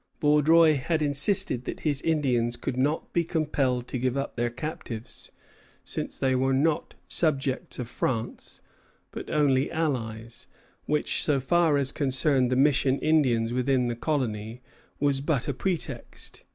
Vaudreuil had insisted that his Indians could not be compelled to give up their captives, since they were not subjects of France, but only allies, which, so far as concerned the mission Indians within the colony, was but a pretext.